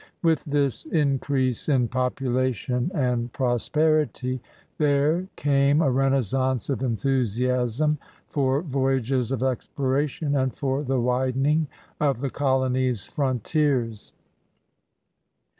With this increase in population and prosperity, there came a renaissance of enthusiasm for voyages of explora tion and for the widening of the colony's frontiers.